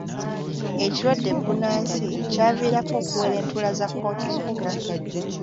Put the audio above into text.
Ekirwadde bbunansi kyaviirako okuwera entuula za kkooti zonna.